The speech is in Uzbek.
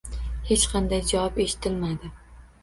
Hech qanday javob eshitilmadi.